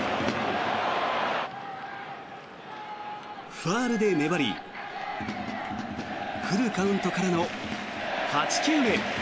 ファウルで粘りフルカウントからの８球目。